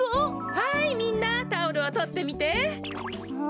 はいみんなタオルをとってみて。